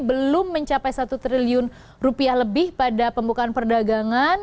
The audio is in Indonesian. belum mencapai satu triliun rupiah lebih pada pembukaan perdagangan